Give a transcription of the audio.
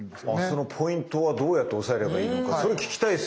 そのポイントはどうやって抑えればいいのかそれ聞きたいですよね。